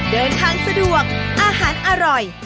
เดินทางสะดวกอาหารอร่อย